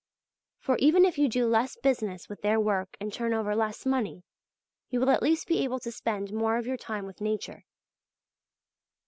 For even if you do less business with their work and turn over less money, you will at least be able to spend more of your time with nature.